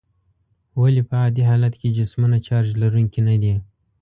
ولې په عادي حالت کې جسمونه چارج لرونکي ندي؟